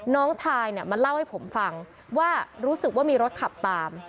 น้องชายเนี่ยมาเล่าให้ผมฟังว่ารู้สึกว่ามีรถขับตาม